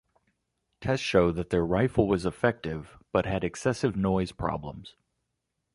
Tests showed that their rifle was effective, but had excessive noise problems.